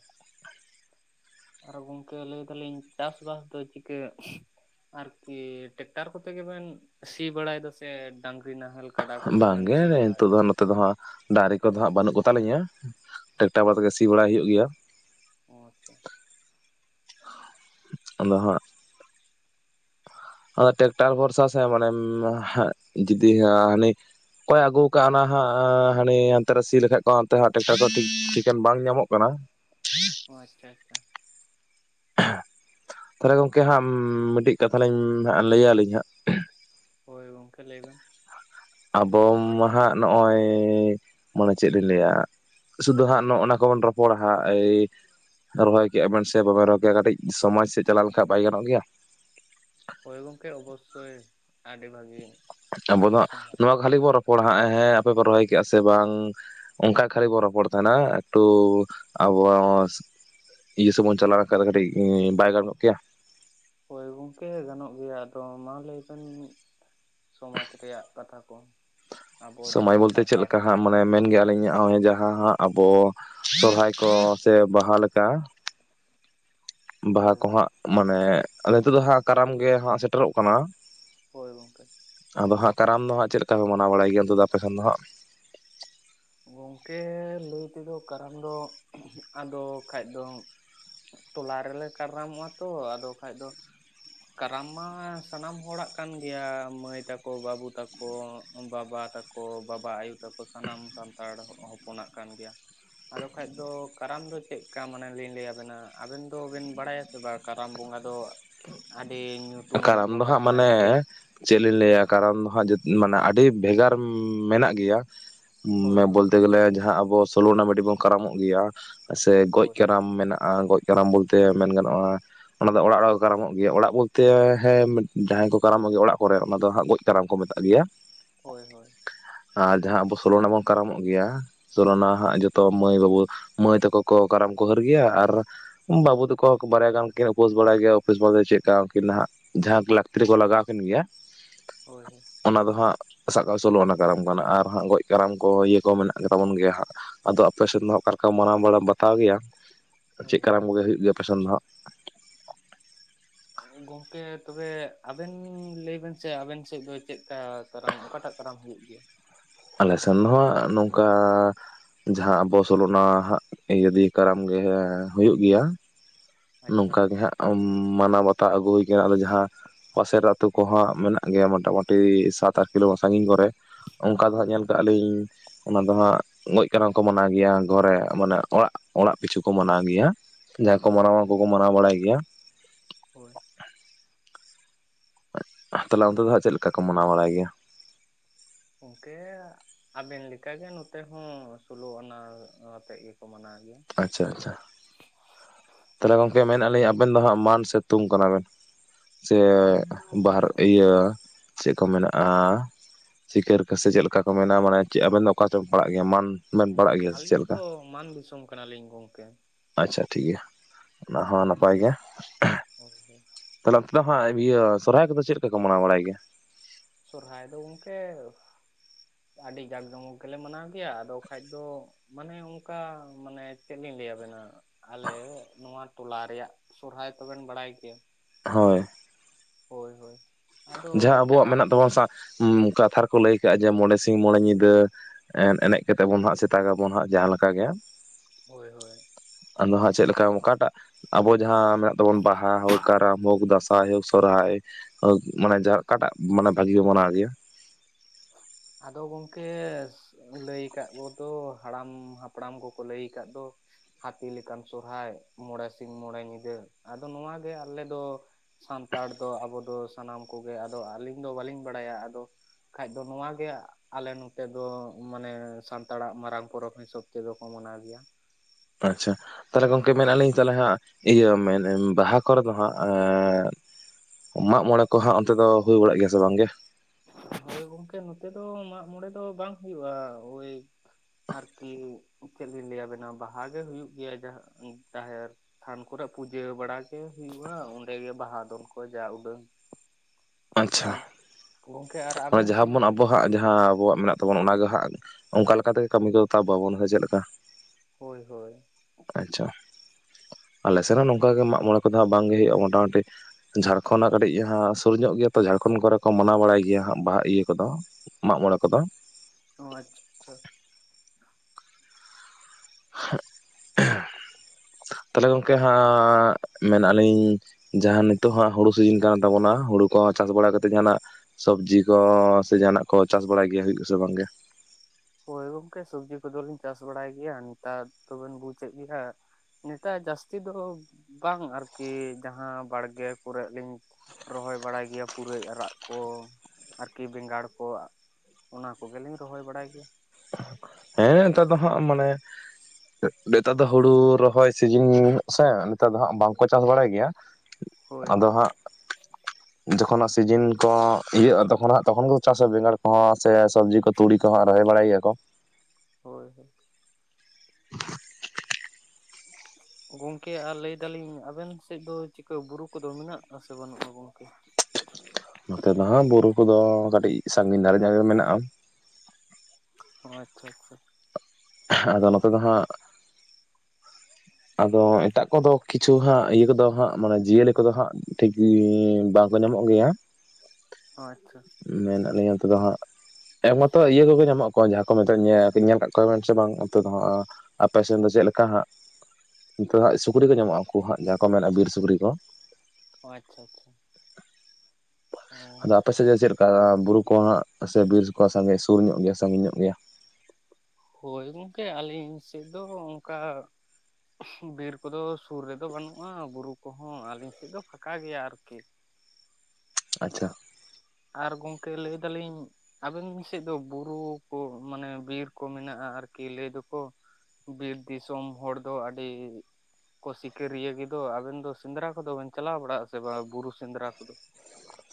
[SPEAKER 2] ᱟᱨ ᱜᱚᱢᱠᱮ ᱞᱟᱹᱭ ᱫᱟᱹᱞᱤᱧ ᱪᱟᱥ-ᱵᱟᱥ ᱫᱚ ᱪᱤᱠᱟᱹ ᱟᱨᱠᱤ ᱴᱮᱠᱴᱟᱨ ᱠᱚᱛᱮ ᱜᱮᱵᱮᱱ ᱥᱤ ᱵᱟᱲᱟᱭᱫᱟ ᱥᱮ ᱰᱟᱹᱝᱨᱤ ᱱᱟᱦᱮᱞ? ᱠᱟᱰᱟ ᱠᱚᱛᱮ ᱵᱮᱱ
[SPEAKER 1] ᱵᱟᱝᱜᱮ
[SPEAKER 2] ᱥᱤ
[SPEAKER 1] ᱱᱤᱛᱚᱜ
[SPEAKER 2] ᱵᱟᱲᱟᱭᱮᱫᱟ
[SPEAKER 1] ᱫᱚ ᱱᱚᱛᱮ ᱫᱚ ᱦᱟᱸᱜ ᱰᱟᱹᱝᱨᱤ ᱠᱚᱫᱚ ᱦᱟᱸᱜ ᱵᱟᱹᱱᱩᱜ ᱠᱚᱛᱟᱞᱤᱧᱟ ᱾ ᱴᱮᱠᱴᱟᱨ ᱵᱟᱲᱟ ᱛᱮᱜᱮ ᱥᱤ ᱵᱟᱲᱟᱭ ᱦᱩᱭᱩᱜ ᱜᱮᱭᱟ ᱾
[SPEAKER 2] ᱚ ᱟᱪᱪᱷᱟ
[SPEAKER 1] ᱟᱫᱚ ᱦᱟᱸᱜ ᱚ ᱴᱮᱠᱴᱟᱨ ᱵᱷᱚᱨᱥᱟ ᱥᱮ ᱢᱟᱱᱮ ᱦᱟᱸᱜ ᱡᱤᱫᱤ ᱦᱟᱸᱜ ᱦᱟᱹᱱᱤ ᱚᱠᱚᱭ ᱟᱹᱜᱩ ᱠᱟᱜᱼᱟ ᱚᱱᱟ ᱦᱟᱸᱜ ᱦᱟᱹᱱᱤ ᱦᱟᱱᱛᱮ ᱨᱮ ᱥᱤ ᱞᱮᱠᱷᱟᱡ ᱠᱚ ᱦᱟᱸᱱᱛᱮ ᱦᱟᱸᱜ ᱴᱮᱠᱴᱟᱨ ᱠᱚ ᱴᱷᱤᱠ ᱴᱷᱤᱠᱟᱹᱱ ᱵᱟᱝ ᱧᱟᱢᱚᱜ ᱠᱟᱱᱟ ᱾
[SPEAKER 2] ᱚ ᱟᱪᱪᱷᱟ ᱟᱪᱪᱷᱟ᱾
[SPEAKER 1] ᱛᱟᱦᱚᱞᱮ ᱜᱚᱝᱠᱮ ᱦᱟᱸᱜ ᱢᱤᱫᱴᱤᱡ ᱠᱟᱛᱷᱟ ᱞᱤᱧ ᱦᱟᱸᱜ ᱞᱟᱹᱭᱟᱞᱤᱧ ᱦᱟᱸᱜ,
[SPEAKER 2] ᱦᱳᱭ ᱜᱚᱝᱠᱮ ᱞᱟᱹᱭ ᱵᱮᱱ ᱾
[SPEAKER 1] ᱟᱵᱚ ᱢᱟ ᱦᱟᱸᱜ ᱱᱚᱜᱼᱚᱭ ᱢᱟᱱᱮ ᱪᱮᱫ ᱞᱤᱧ ᱞᱟᱹᱭᱟ ᱦᱟᱸᱜ, ᱥᱩᱫᱩ ᱦᱟᱸᱜ ᱱᱚᱜᱼᱚ ᱚᱱᱟ ᱠᱚᱵᱚᱱ ᱨᱚᱯᱚᱲᱟ ᱦᱟᱸᱜ ᱮᱭ ᱨᱚᱦᱚᱭ ᱠᱮᱜᱼᱟ ᱵᱮᱱ ᱥᱮ ᱵᱟᱵᱮᱱ ᱨᱚᱦᱚᱭ ᱠᱮᱫᱼᱟ ᱠᱟᱹᱴᱤᱡ ᱥᱚᱢᱟᱡᱽ ᱥᱮᱫ ᱪᱟᱞᱟᱣ ᱞᱮᱠᱷᱟᱡ ᱵᱟᱭ ᱜᱟᱱᱚᱜ ᱜᱮᱭᱟ?
[SPEAKER 2] ᱦᱳᱭ ᱜᱚᱝᱠᱮ ᱚᱵᱚᱥᱥᱚᱭ, ᱟᱹᱰᱤ ᱵᱷᱟᱹᱜᱤ᱾
[SPEAKER 1] ᱟᱵᱚ ᱫᱚ ᱦᱟᱸᱜ
[SPEAKER 2] ᱥᱚᱢᱚ
[SPEAKER 1] ᱱᱚᱣᱟ ᱠᱷᱟᱹᱞᱤ ᱵᱚᱱ ᱨᱚᱯᱚᱲᱟ ᱦᱟᱸᱜ ᱦᱮᱸ ᱟᱯᱮ ᱯᱮ ᱨᱚᱦᱚᱭ ᱠᱮᱜᱼᱟ ᱥᱮ ᱵᱟᱝ, ᱚᱝᱠᱟ ᱠᱷᱟᱹᱞᱤ ᱵᱚ ᱨᱚᱯᱚᱲ ᱛᱟᱦᱮᱸᱱᱟ ᱮᱠᱴᱩ ᱟᱵᱚᱣᱟᱜ ᱤᱭᱟᱹ ᱥᱮᱫ ᱵᱚᱱ ᱪᱟᱞᱟᱣ ᱞᱮᱠᱷᱟᱡ ᱫᱚ ᱠᱟᱹᱴᱤᱡ ᱵᱟᱭ ᱜᱟᱱᱚᱜ ᱠᱮᱭᱟ?
[SPEAKER 2] ᱦᱳᱭ ᱜᱚᱝᱠᱮ ᱜᱟᱱᱚᱜ ᱜᱮᱭᱟ ᱟᱫᱚ ᱢᱟ ᱞᱟᱹᱭ ᱵᱮᱱ, ‌ ᱥᱚᱢᱟᱡᱽ ᱨᱮᱭᱟᱜ ᱠᱟᱛᱷᱟ ᱠᱚ᱾ ᱟᱵᱚ
[SPEAKER 1] ᱥᱚᱢᱟᱡᱽ
[SPEAKER 2] ᱡᱟᱦᱟᱸ
[SPEAKER 1] ᱵᱚᱞ ᱛᱮ ᱪᱮᱫ
[SPEAKER 2] ᱥᱟᱱᱛᱟᱲ
[SPEAKER 1] ᱞᱮᱠᱟ ᱦᱟᱸᱜ
[SPEAKER 2] ᱢᱚᱫᱽᱫᱷᱮ
[SPEAKER 1] ᱢᱟᱱᱮ ᱢᱮᱱ ᱜᱮᱭᱟ ᱟᱞᱤᱧᱟᱜ ᱦᱚᱸᱜᱼᱚᱭ ᱡᱟᱸᱦᱟ ᱦᱟᱸᱜ ᱟᱵᱚ ᱥᱚᱨᱦᱟᱭ ᱠᱚ ᱥᱮ ᱵᱟᱦᱟ ᱞᱮᱠᱟ ᱵᱟᱦᱟ
[SPEAKER 2] ᱦᱳᱭ
[SPEAKER 1] ᱠᱚ
[SPEAKER 2] ᱦᱳᱭ
[SPEAKER 1] ᱦᱟᱸᱜ ᱢᱟᱱᱮ, ᱟᱫᱚ ᱱᱤᱛᱚᱜ ᱫᱚ ᱦᱟᱸᱜ ᱠᱟᱨᱟᱢ ᱜᱮ ᱦᱟᱸᱜ ᱥᱮᱴᱮᱨ-ᱚᱜ ᱠᱟᱱᱟ,
[SPEAKER 2] ᱦᱳᱭ ᱜᱚᱝᱠᱮ᱾
[SPEAKER 1] ᱟᱫᱚ ᱦᱟᱸᱜ ᱠᱟᱨᱟᱢ ᱫᱚ ᱦᱟᱸᱜ ᱪᱮᱫ ᱞᱮᱠᱟ ᱯᱮ ᱢᱟᱱᱟᱣ ᱵᱟᱲᱟᱭ ᱜᱮᱭᱟ ᱚᱱᱛᱮ ᱫᱚ ᱟᱯᱮ ᱥᱮᱱ ᱫᱚ ᱦᱟᱸᱜ?
[SPEAKER 2] ᱜᱚᱝᱠᱮ ᱞᱟᱹᱭ ᱛᱮ ᱫᱚ ᱠᱟᱨᱟᱢ ᱫᱚ ᱟᱫᱚ ᱠᱷᱟᱡ ᱫᱚ ᱴᱚᱞᱟ ᱨᱮᱞᱮ ᱠᱟᱨᱟᱢᱚᱜᱼᱟ ᱛᱚ ᱟᱫᱚ ᱠᱷᱟᱡ ᱫᱚ, ᱠᱟᱨᱟᱢ ᱢᱟ ᱥᱟᱱᱟᱢ ᱦᱚᱲᱟᱜ ᱠᱟᱱ ᱜᱮᱭᱟ ᱢᱟᱹᱭ ᱛᱟᱠᱚ, ᱵᱟᱵᱩ ᱛᱟᱠᱚ, ᱵᱟᱵᱟ ᱛᱟ ᱠᱚ, ᱵᱟᱵᱟ ᱟᱭᱳ ᱛᱟᱠᱚ ᱥᱟᱱᱟᱢ ᱥᱟᱱᱛᱟᱲ ᱦᱚᱯᱚᱱᱟᱜ ᱠᱟᱱ ᱜᱮᱭᱟ᱾ ᱟᱫᱚ ᱠᱷᱟᱡ ᱫᱚ ᱠᱟᱨᱟᱢ ᱫᱚ ᱪᱮᱫ ᱠᱟ ᱢᱟᱱᱮ ᱞᱤᱧ ᱞᱟᱹᱭ ᱟᱵᱮᱱᱟ ᱟᱵᱮᱱ ᱫᱚ ᱵᱮᱱ ᱵᱟᱲᱟᱭᱟ ᱥᱮ ᱵᱟᱝ ᱠᱟᱨᱟᱢ ᱵᱚᱸᱜᱟ ᱫᱚ, ᱟᱹᱰᱤ ᱧᱩᱛᱩᱢ ᱟᱱᱤᱡ
[SPEAKER 1] ᱠᱟᱨᱟᱢ ᱫᱚ
[SPEAKER 2] ᱵᱚᱸᱜᱟ
[SPEAKER 1] ᱦᱟᱸᱜ
[SPEAKER 2] ᱠᱟᱱᱟᱭ᱾
[SPEAKER 1] ᱢᱟᱱᱮ
[SPEAKER 2] ᱟᱹᱰᱤ
[SPEAKER 1] ᱪᱮᱫ ᱞᱤᱧ ᱞᱟᱹᱭᱟ ᱠᱟᱨᱚᱱ ᱫᱚ ᱦᱟᱸᱜ ᱢᱟᱱᱮ ᱟᱹᱰᱤ ᱵᱷᱮᱜᱟᱨ ᱢᱮᱱᱟᱜ ᱜᱮᱭᱟ᱾
[SPEAKER 2] ᱦᱳᱭ ᱦᱳᱭ
[SPEAKER 1] ᱵᱚᱞᱛᱮ ᱜᱮᱞᱮ ᱡᱟᱸᱦᱟ ᱟᱵᱚ ᱥᱳᱞᱳ ᱟᱱᱟ ᱢᱤᱫᱴᱤᱡ ᱵᱚ ᱠᱟᱨᱟᱢ ᱚᱜ ᱜᱮᱭᱟ, ᱥᱮ ᱜᱚᱡ
[SPEAKER 2] ᱦᱳᱭ
[SPEAKER 1] ᱠᱟᱨᱟᱢ ᱢᱮᱱᱟᱜᱼᱟ, ᱜᱚᱡ ᱠᱟᱨᱟᱢ ᱵᱚᱞ ᱛᱮ ᱢᱮᱱ ᱜᱟᱱᱚᱜᱼᱟ, ᱚᱱᱟ ᱫᱚ ᱚᱲᱟᱜ ᱚᱲᱟᱜ ᱠᱚ ᱠᱟᱨᱟᱢᱚᱜ ᱜᱮᱭᱟ᱾ ᱚᱲᱟᱜ ᱵᱚᱞ ᱛᱮ ᱦᱮᱸ ᱡᱟᱸᱦᱟᱭ ᱠᱚ ᱠᱟᱨᱟᱢᱚᱜ ᱜᱮᱭᱟ ᱚᱲᱟᱜ ᱠᱚᱨᱮ ᱚᱱᱟ ᱫᱚ ᱦᱟᱸᱜ ᱜᱚᱡ ᱠᱟᱨᱟᱢ ᱠᱚ ᱢᱮᱛᱟᱜ ᱜᱮᱭᱟ᱾
[SPEAKER 2] ᱦᱳᱭ ᱦᱳᱭ᱾
[SPEAKER 1] ᱟᱨ ᱡᱟᱸᱦᱟ ᱟᱵᱚ ᱥᱳᱞᱳ ᱟᱱᱟ ᱵᱚᱱ ᱠᱟᱨᱟᱢ ᱚᱜ ᱜᱮᱭᱟ᱾ ᱥᱳᱞᱳ ᱟᱱᱟ ᱦᱟᱸᱜ ᱡᱚᱛᱚ ᱢᱟᱹᱭ ᱵᱟᱹᱵᱩ, ᱢᱟᱹᱭ ᱛᱟᱠᱚ ᱠᱚ ᱠᱟᱨᱟᱢ ᱠᱚ ᱦᱟᱹᱨ ᱜᱮᱭᱟ, ᱟᱨ ᱵᱟᱹᱵᱩ ᱛᱟᱠᱚ ᱦᱚᱸ ᱠᱚ ᱵᱟᱨᱭᱟ ᱜᱟᱱ ᱩᱝᱠᱤᱱ ᱩᱯᱟᱹᱥ ᱵᱟᱲᱟᱭ ᱜᱮᱭᱟ᱾ ᱩᱯᱟᱹᱥ ᱵᱚ ᱞᱮ ᱪᱮᱫ ᱠᱟ ᱠᱤᱱ ᱦᱟᱸᱜ ᱡᱟᱸᱦᱟ ᱞᱟᱹᱠᱛᱤ ᱨᱮ ᱠᱚ ᱞᱟᱜᱟᱣ ᱠᱤᱱ ᱜᱮᱭᱟ᱾
[SPEAKER 2] ᱦᱳᱭ ‌ᱦᱳᱭ᱾
[SPEAKER 1] ᱚᱱᱟ ᱫᱚ ᱦᱟᱸᱜ, ᱥᱟᱵ ᱠᱟᱜ ᱢᱮ ᱥᱳᱞᱳ ᱟᱱᱟ ᱠᱟᱨᱟᱢ ᱠᱟᱱᱟ᱾ᱟᱨ ᱦᱟᱸᱜ ᱜᱚᱡ ᱠᱟᱨᱟᱢ ᱠᱚ ᱤᱭᱟᱹ ᱠᱚ ᱢᱮᱱᱟᱜ ᱜᱮ ᱛᱟᱵᱚᱱ ᱜᱮᱭᱟ ᱦᱟᱸᱜ᱾ ᱟᱫᱚ ᱟᱯᱮ ᱥᱮᱫ ᱫᱚ ᱦᱟᱸᱜ ᱚᱠᱟ ᱞᱮᱠᱟ ᱢᱟᱱᱟ ᱵᱟᱲᱟᱣ ᱵᱟᱛᱟᱣ ᱜᱮᱭᱟ,
[SPEAKER 2] ᱦᱳᱭ
[SPEAKER 1] ᱪᱮᱫ ᱠᱟᱨᱟᱢ ᱠᱚ ᱜᱮ ᱦᱳᱭᱳᱜ ᱜᱮᱭᱟ‌ᱟᱯᱮ ᱥᱮᱱ ᱫᱚ ᱦᱟᱸᱜ᱾
[SPEAKER 2] ᱜᱚᱝᱠᱮ ᱛᱚᱵᱮ ᱟᱵᱮᱱ ᱞᱟᱹᱭ ᱵᱮᱱ ᱥᱮ ᱟᱵᱮᱱ ᱥᱮᱫ ᱫᱚ ᱪᱮᱫ-ᱼ ᱚᱠᱟ ᱠᱟᱨᱟᱢ ᱚᱠᱟ ᱴᱟᱜ ᱠᱟᱨᱟᱢ ᱦᱩᱭᱩᱜ ᱜᱮᱭᱟ?
[SPEAKER 1] ᱟᱞᱮ ᱥᱮᱱ ᱦᱚᱸ ᱦᱟᱸᱜ ᱱᱚᱝᱠᱟ ᱡᱟᱸᱦᱟ ᱟᱵᱚ ᱥᱳᱞᱳ ᱟᱱᱟ ᱦᱟᱸᱜ ᱤᱭᱟᱹ ᱫᱤᱭᱟᱹ ᱠᱟᱨᱟᱢ ᱜᱮ ᱦᱳᱭᱳᱜ ᱜᱮᱭᱟ,
[SPEAKER 2] ᱟᱪᱪᱷᱟ
[SPEAKER 1] ᱱᱚᱝᱠᱟ ᱜᱮ
[SPEAKER 2] ᱟᱪᱪᱷᱟ
[SPEAKER 1] ᱦᱟᱸᱜ ᱩᱱ ᱢᱟᱱᱟᱣ ᱵᱟᱛᱟᱜ ᱟᱹᱜᱩ ᱦᱩᱭ ᱟᱠᱟᱱᱟ ᱟᱫᱚ ᱡᱟᱸᱦᱟ ᱯᱟᱥᱮᱨ ᱟᱹᱛᱩ ᱠᱚ ᱦᱟᱸᱜ ᱢᱮᱱᱟᱜ ᱜᱮᱭᱟ, ᱢᱚᱴᱟ ᱢᱩᱴᱤ ᱥᱟᱛ ᱟᱴ ᱠᱤᱞᱳ ᱥᱟᱺᱜᱤᱧ ᱠᱚᱨᱮ, ‌ᱚᱝᱠᱟ ᱫᱚ ᱦᱟᱸᱜ
[SPEAKER 2] ᱦᱳᱭ
[SPEAKER 1] ᱧᱮᱞ ᱠᱟᱜ ᱟᱞᱤᱧ ᱚᱱᱟ ᱫᱚ ᱦᱟᱸᱜ ᱜᱚᱡ ᱠᱟᱨᱟᱢ ᱠᱚ ᱢᱟᱱᱟᱣ ᱜᱮᱭᱟ ᱜᱷᱚᱨᱮ ᱢᱟᱱᱮ ᱚᱲᱟᱜ ᱚᱲᱟᱜ ᱯᱤᱪᱷᱩ ᱠᱚ ᱢᱟᱱᱟᱣ ᱜᱮᱭᱟ᱾ ᱡᱟᱸᱦᱟ ᱠᱚ
[SPEAKER 2] ᱦᱳᱭ
[SPEAKER 1] ᱢᱟᱱᱟᱣᱟ ᱩᱝᱠᱩ ᱠᱚ ᱢᱟᱱᱟᱣ ᱵᱟᱲᱟᱭ ᱜᱮᱭᱟ,
[SPEAKER 2] ᱦᱳᱭ᱾
[SPEAKER 1] ᱛᱟᱦᱞᱮ ᱚᱱᱛᱮ ᱫᱚ ᱦᱟᱸᱜ ᱪᱮᱫ ᱞᱮᱠᱟ ᱠᱚ ᱢᱟᱱᱟᱣ ᱵᱟᱲᱟᱭ ᱜᱮᱭᱟ?
[SPEAKER 2] ᱚᱝᱠᱮ ᱟᱵᱮᱱ ᱞᱮᱠᱟ ᱜᱮ ᱱᱚᱛᱮ ᱦᱚᱸ ᱥᱳᱞᱳ ᱟᱱᱟ ᱟᱛᱮᱫ ᱜᱮ ᱠᱚ ᱢᱟᱱᱟᱣ ᱜᱮᱭᱟ᱾
[SPEAKER 1] ᱟᱪᱪᱷᱟ ᱟᱪᱪᱷᱟ ᱾ ᱛᱟᱦᱞᱮ ᱜᱚᱝᱠᱮ ᱢᱮᱱ ᱟᱞᱤᱧ ᱟᱵᱮᱱ ᱫᱚ ᱦᱟᱸᱜ ᱢᱟᱱ ᱥᱮ ᱛᱩᱝ ᱠᱟᱱᱟ ᱵᱮᱱ? ᱥᱮ
[SPEAKER 2] ᱟᱹᱞᱤᱧ ᱫᱚ
[SPEAKER 1] ᱵᱟᱦᱟᱨ ᱤᱭᱟᱹ ᱪᱮᱜ ᱠᱚ ᱢᱮᱱᱟᱜᱼᱟ ᱥᱤᱠᱟᱹᱨ ᱠᱟᱹᱥᱤ ᱪᱮᱜ ᱞᱮᱠᱟ ᱠᱚ ᱢᱮᱱᱟ ᱾ᱢᱟᱱᱮ ᱪᱮᱜ ᱟᱵᱮᱱ ᱫᱚ ᱚᱠᱟ ᱪᱚᱠ ᱯᱟᱲᱟᱜ ᱜᱮᱭᱟ᱾ᱢᱟᱱ?
[SPEAKER 2] ᱦᱚᱸ ᱟᱹᱞᱤᱧ ᱫᱚ ᱢᱟᱱ ᱫᱤᱥᱚᱢ ᱠᱟᱱᱟ ᱞᱤᱧ ᱜᱚᱝᱠᱮ᱾
[SPEAKER 1] ᱟᱪᱪᱷᱟ ᱴᱷᱤᱠ ᱜᱮᱭᱟ ᱚᱱᱟ ᱦᱚᱸ ᱱᱟᱯᱟᱭ ᱜᱮ᱾
[SPEAKER 2] ᱦᱚᱜ ᱦᱳ
[SPEAKER 1] [unintelligible] ᱫᱚ ᱦᱟᱸᱜ ᱤᱭᱟᱹ ᱥᱚᱨᱦᱟᱭ ᱠᱚ ᱫᱚ ᱪᱮᱫ ᱞᱮᱠᱟ ᱠᱚ ᱢᱟᱱᱟᱣ ᱵᱟᱲᱟᱭ ᱜᱮᱭᱟ?
[SPEAKER 2] ᱥᱚᱨᱦᱟᱭ ᱫᱚ ᱜᱚᱝᱠᱮ ᱟᱹᱰᱤ ᱡᱟᱠ ᱡᱚᱢᱚᱠ ᱜᱮᱞᱮ ᱢᱟᱱᱟᱣ ᱜᱮᱭᱟ᱾ ᱟᱫᱚ ᱠᱷᱟᱡ ᱫᱚ ᱢᱟᱱᱮ ᱩᱝᱠᱟ ᱢᱟᱱᱮ ᱪᱮᱜ ᱞᱤᱧ ᱞᱟᱹᱭ ᱟᱵᱮᱱᱟ ᱾ ᱟᱞᱮ ᱱᱚᱣᱟ ᱴᱚᱞᱟ ᱨᱮᱭᱟᱜ ᱥᱚᱨᱦᱟᱭ ᱛᱚᱵᱮᱱ ᱵᱟᱲᱟᱭ ᱜᱮᱭᱟ ᱾
[SPEAKER 1] ᱦᱳᱭ,
[SPEAKER 2] ᱦᱳᱭ ᱦᱳᱭ,
[SPEAKER 1] ᱡᱟᱦᱟᱸ ᱟᱵᱚᱣᱟᱜ ᱢᱮᱱᱟᱜ ᱛᱟᱵᱚᱱᱟ ᱥᱟ ᱠᱟᱛᱷᱟ ᱨᱮᱠᱚ ᱞᱟᱹᱭ ᱠᱟᱜᱼᱟ ᱡᱮ ᱢᱚᱬᱮ ᱥᱤᱧ ᱢᱚᱬᱮ ᱧᱤᱫᱟᱹ ᱾ ᱮᱱᱮᱡ ᱠᱟᱛᱮᱜ ᱵᱚᱱ ᱦᱟᱸᱜ ᱥᱮᱛᱟᱜᱟᱵᱚᱱ ᱦᱟᱸᱜ ᱡᱟᱦᱟᱸ ᱞᱮᱠᱟ ᱜᱮ ᱾
[SPEAKER 2] ᱦᱳᱭ ᱦᱳᱭ,
[SPEAKER 1] ᱟᱫᱚ ᱦᱟᱸᱜ ᱪᱮᱜᱞᱮᱠᱟ ᱚᱠᱟᱴᱟᱜ ᱟᱵᱚ ᱡᱟᱦᱟᱸ ᱢᱮᱱᱟᱜ ᱛᱟᱵᱚᱱ ᱵᱟᱦᱟ ᱦᱳᱠ ᱠᱟᱨᱟᱢ ᱦᱳᱠ ᱫᱟᱸᱥᱟᱭ ᱟᱭᱦᱳᱠ ᱥᱚᱨᱦᱟᱭ ᱦᱳᱠ ᱢᱟᱱᱮ ᱡᱟᱦᱟ ᱚᱠᱟᱴᱟᱜ ᱢᱟᱱᱮ ᱵᱷᱟᱜᱤ ᱵᱮ ᱢᱟᱱᱟᱣ ᱜᱮᱭᱟ?
[SPEAKER 2] ᱟᱫᱚ ᱜᱚᱝᱠᱮᱥ ᱞᱟᱹᱭ ᱠᱟᱜ ᱜᱚᱫᱚ ᱦᱟᱲᱟᱢ ᱦᱟᱯᱲᱟᱢ ᱠᱚᱠᱚ ᱞᱟᱹᱭ ᱠᱟᱫ ᱫᱚ ᱾ ᱦᱟᱹᱛᱤ ᱞᱮᱠᱟᱱ ᱥᱚᱨᱦᱟᱭ ᱢᱚᱬᱮ ᱥᱤᱧ ᱢᱚᱬᱮ ᱧᱤᱫᱟᱹ ᱟᱫᱚ ᱱᱚᱣᱟᱜᱮ ᱟᱞᱮ ᱫᱚ ᱾ ᱥᱟᱱᱛᱟᱲ ᱫᱚ ᱟᱵᱚ ᱫᱚ ᱥᱟᱱᱟᱢ ᱠᱚᱜᱮ ᱟᱫᱚ ᱟᱹᱞᱤᱧ ᱫᱚ ᱵᱟᱹᱞᱤᱧ ᱵᱟᱲᱟᱭᱟ ᱟᱫᱚ ᱠᱷᱟᱡ ᱫᱚ ᱱᱚᱭᱟ ᱛᱮᱭᱟᱜ ᱟᱞᱮ ᱱᱚᱛᱮ ᱫᱚ ᱢᱟᱱᱮ ᱥᱟᱱᱛᱟᱲᱟᱜ ᱢᱟᱨᱟᱝ ᱯᱚᱨᱚᱵᱽ ᱦᱤᱥᱟᱹᱵ ᱛᱮᱫᱚ ᱠᱚ ᱢᱟᱱᱟᱣ ᱜᱮᱭᱟ ᱾
[SPEAKER 1] ᱟᱪᱪᱷᱟ, ᱛᱟᱞᱦᱮ ᱜᱚᱢᱠᱮ ᱢᱮᱱ ᱟᱹᱞᱤᱧ ᱛᱟᱞᱮ ᱦᱟᱸᱜ ᱤᱭᱟᱹ ᱵᱟᱦᱟ ᱠᱚᱨᱮ ᱫᱚ ᱦᱟᱸᱜ ᱮᱸᱻ ᱢᱟᱜ ᱢᱚᱬᱮ ᱠᱚ ᱦᱟᱸᱜ ᱚᱱᱛᱮ ᱫᱚ ᱦᱩᱭ ᱵᱟᱲᱟᱜ ᱜᱮᱭᱟ ᱥᱮ ᱵᱟᱝᱜᱮ?
[SPEAKER 2] ᱦᱳᱭ ᱜᱚᱝᱠᱮ ᱱᱚᱛᱮ ᱫᱚ ᱢᱟᱜ ᱢᱚᱲᱮ ᱫᱚ ᱵᱟᱝ ᱦᱩᱭᱩᱜᱼᱟ ᱳᱭ ᱟᱨᱠᱤ ᱪᱮᱜ ᱞᱤᱧ ᱞᱟᱹᱭᱟᱵᱮᱱᱟ ᱵᱟᱦᱟ ᱜᱮ ᱦᱩᱭᱩᱜ ᱜᱮᱭᱟ ᱡᱟᱦᱟᱸ ᱡᱟᱦᱮᱨ ᱛᱷᱟᱱ ᱠᱚᱨᱮᱜ ᱯᱩᱡᱟᱹ ᱵᱟᱲᱟ ᱜᱮ ᱦᱩᱭᱩᱜᱼᱟ ᱚᱸᱰᱮᱜᱮ ᱵᱟᱦᱟ ᱫᱚᱱ ᱠᱚ ᱡᱟᱹᱣ ᱩᱰᱟᱹᱝ ᱾
[SPEAKER 1] ᱟᱪᱪᱷᱟ ᱚᱱᱟ ᱡᱟᱦᱟᱸ
[SPEAKER 2] ᱥᱮᱫ
[SPEAKER 1] ᱵᱚᱱ ᱟᱵ ᱵᱚᱦᱟᱜ ᱡᱟᱦᱟᱸ ᱟᱵᱚᱦᱟᱜ ᱢᱮᱱᱟᱜ ᱛᱟᱵᱚᱱ ᱚᱱᱟᱜᱮ ᱦᱟᱸᱜ ᱚᱱᱠᱟ ᱞᱮᱠᱟᱛᱮᱜᱮ ᱠᱟᱹᱢᱤ ᱠᱚ ᱛᱟᱵ ᱵᱟᱵᱚᱱ ᱦᱳᱭ ᱪᱮᱜ ᱞᱮᱠᱟ?
[SPEAKER 2] ᱦᱳᱭ ᱦᱳᱭ,
[SPEAKER 1] ᱟᱪᱪᱷᱟ, ᱟᱞᱮᱥᱮᱫ ᱦᱚᱸ ᱱᱚᱝᱠᱟ ᱜᱮ ᱢᱟᱜ ᱢᱚᱬᱮ ᱠᱚᱫᱚ ᱦᱟᱸᱜ ᱵᱟᱝ ᱜᱮ ᱦᱳᱭᱳᱜᱼᱟ ᱢᱚᱴᱟᱢᱩᱴᱤ ᱡᱷᱟᱨᱠᱷᱚᱸᱱᱰ ᱟᱜ ᱠᱟᱹᱴᱤᱡ ᱤᱦᱟᱹᱥ ᱥᱩᱨ ᱧᱚᱜ ᱜᱮᱭᱟ ᱛᱚ ᱡᱷᱟᱨᱠᱷᱚᱸᱱᱰ ᱠᱚᱨᱮ ᱠᱚ ᱢᱟᱱᱟᱣ ᱵᱟᱲᱟᱭ ᱜᱮᱭᱟ ᱦᱟᱸᱜ ᱵᱟᱦᱟ ᱤᱭᱟᱹ ᱠᱚᱫᱚ ᱢᱟᱜ ᱢᱚᱬᱮ ᱠᱚᱫᱚ ᱾
[SPEAKER 2] ᱚ ᱟᱪᱼᱪᱷᱟ ᱾
[SPEAKER 1] [inaudible]
[SPEAKER 2] [inaudible]
[SPEAKER 1] ᱛᱟᱞᱦᱮ ᱜᱚᱝᱠᱮ ᱦᱟᱸᱜ ᱢᱮᱱ ᱟᱹᱞᱤᱧ ᱡᱟᱦᱟᱸ ᱱᱤᱛᱚᱦᱟᱜ ᱦᱳᱲᱳ ᱥᱤᱡᱤᱱ ᱠᱟᱱ ᱛᱟᱵᱚᱱᱟ ᱦᱩᱲᱩ ᱠᱚᱦᱚᱸ ᱪᱟᱥ ᱵᱟᱲᱟ ᱠᱟᱛᱮ ᱡᱟᱦᱟᱱᱟᱜ ᱥᱚᱵᱽᱡᱤ ᱠᱚ ᱥᱮ ᱡᱟᱦᱱᱟᱜ ᱠᱚ ᱪᱟᱥ ᱵᱟᱲᱟᱭ ᱜᱮᱭᱟ ᱦᱩᱭᱩᱜ ᱟᱥᱮ ᱵᱟᱝᱜᱮ?
[SPEAKER 2] ᱦᱚᱳᱭ ᱜᱚᱝᱠᱮ ᱥᱚᱵᱽᱡᱤ ᱠᱚᱫᱚ ᱞᱤᱧ ᱪᱟᱥ ᱵᱟᱲᱟᱭ ᱜᱮᱭᱟ ᱱᱤᱛᱟᱨ ᱫᱚᱵᱮᱱ ᱵᱩᱡᱮ ᱮᱜ ᱜᱮᱭᱟ᱾ ᱱᱮᱛᱟ ᱡᱟᱹᱥᱛᱤ ᱫᱚ ᱵᱟᱝ ᱟᱨᱠᱤ ᱡᱟᱦᱟᱸ ᱵᱟᱲᱜᱮ ᱠᱚᱨᱮ ᱞᱤᱧ ᱨᱚᱦᱚᱭ ᱵᱟᱲᱟᱭ ᱜᱮᱭᱟ ᱯᱩᱨᱟᱹᱭ ᱟᱨᱟᱜ ᱠᱚ, ᱟᱨᱠᱤ ᱵᱮᱸᱜᱟᱲ ᱠᱚ ᱚᱱᱟ ᱠᱚᱜᱮᱞᱤᱧ ᱨᱚᱦᱚᱭ ᱵᱟᱲᱟᱭ ᱜᱮᱭᱟ᱾
[SPEAKER 1] ᱦᱮᱸ ᱱᱮᱛᱟᱨ ᱫᱚ ᱦᱟᱸᱜ ᱢᱟᱱᱮ᱾᱾ ᱱᱮᱛᱟᱨ ᱫᱚ ᱦᱩᱲᱩ ᱨᱚᱦᱚᱭ ᱥᱤᱡᱤᱱ ᱥᱮ ᱱᱮᱛᱟᱨ ᱫᱚ ᱦᱟᱸᱜ ᱵᱟᱝᱠᱚ ᱪᱟᱥ ᱵᱟᱲᱟᱭ ᱜᱮᱭᱟ᱾
[SPEAKER 2] ᱦᱳᱭ
[SPEAKER 1] ᱟᱫᱚ ᱦᱟᱸᱜ᱾᱾
[SPEAKER 2] [inaudible]
[SPEAKER 1] ᱡᱚᱠᱷᱚᱱᱟᱜ ᱥᱤᱡᱤᱱ ᱠᱚ ᱤᱭᱟ ᱛᱚᱠᱷᱚᱱ ᱛᱚᱠᱷᱚᱱ ᱜᱮ ᱪᱟᱥᱟ ᱵᱮᱸᱜᱟᱲ ᱠᱚᱦᱚᱸ ᱥᱮ ᱥᱚᱵᱽᱡᱤ ᱠᱚ ᱛᱩᱲᱤ ᱠᱚ ᱦᱟᱸᱜ ᱨᱚᱦᱚᱭ ᱵᱟᱲᱟᱭ ᱜᱮᱭᱟ ᱠᱚ᱾
[SPEAKER 2] ᱦᱳᱭ ᱦᱳᱭ᱾
[SPEAKER 1] [unintelligible]
[SPEAKER 2] [unintelligible] ᱜᱚᱝᱠᱮ ᱟᱨ ᱞᱟᱹᱭ ᱫᱟᱞ ᱤᱧ ᱟᱵᱮᱱ ᱥᱮᱫ ᱫᱚ ᱪᱤᱠᱟᱹ ᱵᱩᱨᱩ ᱠᱚᱫᱚ ᱢᱮᱱᱟᱜ ᱟ ᱥᱮ ᱵᱟᱹᱱᱩᱜᱼᱟ ᱜᱚᱝᱠᱮ?
[SPEAKER 1] ᱱᱚᱛᱮ ᱫᱚ ᱦᱟᱸᱜ ᱵᱩᱨᱩ ᱠᱚᱫᱚ ᱠᱟᱹᱴᱤᱡ ᱥᱟᱺᱜᱤᱧ ᱫᱷᱟᱨᱮ ᱡᱟᱨᱮ ᱨᱮᱜᱮ ᱢᱮᱱᱟᱜᱼᱟ᱾
[SPEAKER 2] ᱚᱸ ᱟᱪᱪᱷᱟ ᱟᱪᱪᱷᱟ᱾
[SPEAKER 1] ᱠᱷᱟᱸ ᱱᱚᱛᱮ ᱫᱚ ᱦᱟᱸᱜ ᱟᱫᱚ ᱮᱴᱟᱜ ᱠᱚᱫᱚ ᱠᱤᱪᱷᱩ ᱦᱟᱸᱜ ᱤᱭᱟᱹ ᱠᱚᱫᱚ ᱦᱟᱸᱜ ᱢᱟᱱᱮ ᱡᱤᱭᱟᱹᱞᱤ ᱠᱚᱫᱚ ᱦᱟᱸᱜ ᱴᱷᱤᱠ ᱤᱭᱭ ᱵᱟᱝᱠᱚ ᱧᱟᱢᱚᱜ ᱜᱮᱭᱟ᱾
[SPEAKER 2] ᱚᱸ ᱟᱪᱪᱷᱟ᱾
[SPEAKER 1] ᱢᱮᱱᱟᱜ ᱞᱤᱭᱟ ᱱᱤᱛᱚᱜ ᱫᱚ ᱦᱟᱸᱜ, ᱮᱠ ᱢᱟᱨᱛᱚ ᱤᱭᱟᱹ ᱠᱚᱜᱮ ᱧᱟᱢᱚᱜ ᱡᱟᱦᱟᱸ ᱠᱚ ᱢᱮᱛᱟᱜ, ᱧᱮᱞ- ᱞ, ᱧᱮᱞ ᱠᱟᱜ ᱠᱚᱣᱟ ᱯᱮ ᱥᱮ ᱵᱟᱝ ᱫᱚ ᱟᱯᱮᱥᱱ ᱫᱚ ᱪᱮᱫ ᱞᱮᱠᱟ ᱦᱟᱸᱜ᱾ ᱱᱤᱛᱚᱜ ᱟᱸᱜ ᱥᱩᱠᱨᱤ ᱠᱚ ᱧᱟᱢᱚᱜᱼᱟ ᱟᱠᱩ ᱦᱟᱸᱜ ᱡᱟᱦᱟᱸ ᱠᱚ ᱢᱮᱱᱟ ᱵᱤᱨ ᱥᱩᱠᱨᱤ ᱠᱚ᱾
[SPEAKER 2] ᱚ ᱟᱪᱷᱟ ᱟᱪᱷᱟ᱾
[SPEAKER 1] ᱟᱫᱚ ᱟᱯᱮ ᱥᱮᱫ ᱫᱚ ᱪᱮᱫᱞᱮᱠᱟ ᱵᱩᱨᱩ ᱠᱚ ᱦᱟᱸᱜ ᱥᱮ ᱵᱤᱨ ᱠᱚ ᱥᱟᱸᱜᱤ ᱥᱩᱨ ᱧᱚᱜ ᱜᱮᱭᱟ ᱥᱟᱺᱜᱤᱧ ᱧᱚᱜ ᱜᱮᱭᱟ
[SPEAKER 2] ᱦᱳᱭ ᱜᱚᱝᱠᱮ ᱟᱹᱞᱤᱧ ᱥᱮᱫ ᱫᱚ-ᱚ ᱚᱝᱠᱟᱼᱼ ᱵᱤᱨ ᱠᱚᱫᱚ ᱥᱩᱨ ᱨᱮᱫᱚ ᱵᱟᱹᱱᱩᱜᱼᱟ, ᱵᱩᱨᱩ ᱠᱚᱦᱚᱸ ᱟᱹᱞᱤᱧ ᱥᱮᱫ ᱫᱚ ᱯᱷᱟᱠᱟ ᱜᱮᱭᱟ ᱟᱨᱠᱤ᱾
[SPEAKER 1] ᱟᱪᱷᱟ
[SPEAKER 2] ᱟᱨ ᱜᱚᱝᱠᱮ ᱞᱟᱹᱭ ᱫᱟᱞᱤᱧ? ᱟᱵᱮᱱ ᱥᱮᱫ ᱫᱚ ᱵᱩᱨᱩ ᱠᱚ ᱢᱟᱱᱮ ᱵᱤᱨ ᱠᱚ ᱢᱮᱱᱟᱜᱼᱟ ᱟᱨᱠᱤ ᱞᱟᱹᱭ ᱫᱚᱠᱚ᱾ ᱵᱤᱨ ᱫᱤᱥᱚᱢ ᱦᱚᱲ ᱫᱚ ᱟᱹᱰᱤᱼᱼ ᱠᱚ ᱥᱤᱠᱟᱹᱨᱤᱭᱟᱹ ᱜᱮᱫᱚ, ᱟᱵᱮᱱ ᱫᱚ ᱥᱮᱸᱫᱽᱨᱟ ᱠᱚᱫᱚ ᱵᱮᱱ ᱪᱟᱞᱟᱣ ᱵᱟᱲᱟᱜ ᱟᱥᱮ ᱵᱟᱝ? ᱵᱩᱨᱩ ᱥᱮᱸᱫᱽᱨᱟ ᱠᱚᱫᱚ᱾